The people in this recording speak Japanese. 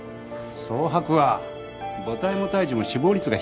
早剥は母体も胎児も死亡率が低くないんだ。